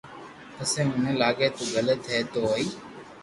پسي مني لاگي تو غلط ھي تو ھوئي